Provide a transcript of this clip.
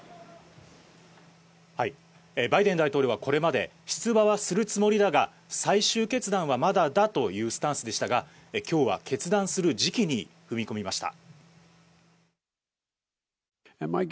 バイデン大統領はこれまで、出馬はするつもりだが、最終決断はまだだというスタンスでしたが、今日は決断する時期に踏み込みました。